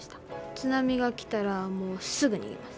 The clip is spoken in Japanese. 津波が来たらすぐ逃げます。